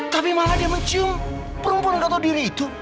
tapi malah dia mencium perempuan yang gata diri itu